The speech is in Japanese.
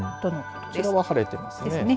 こちらは晴れてますね。